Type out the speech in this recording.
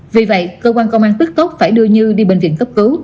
vì vậy cơ quan công an tức tốc phải đưa như đi bệnh viện cấp cứu